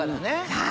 はい。